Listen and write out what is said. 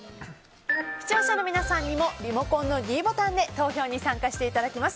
視聴者の皆さんにもリモコンのｄボタンで投票に参加していただきます。